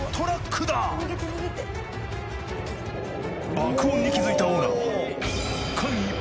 爆音に気付いたオーナーは間一髪！